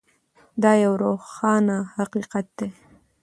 دا یو روښانه حقیقت دی.